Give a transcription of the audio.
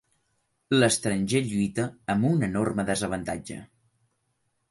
L'estranger lluita amb un enorme desavantatge